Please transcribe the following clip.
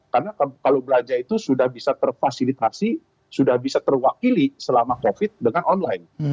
karena kalau belanja itu sudah bisa terfasilitasi sudah bisa terwakili selama covid dengan online